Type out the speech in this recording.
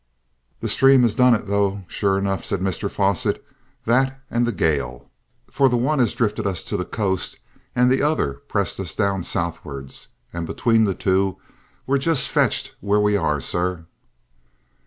"The stream has done it, though, sure enough," said Mr Fosset; "that and the gale, for the one has drifted us to the coast and the other pressed us down southwards; and between the two we're just fetched where we are, sir!"